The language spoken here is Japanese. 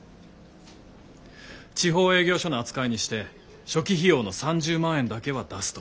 地方営業所の扱いにして初期費用の３０万円だけは出すと。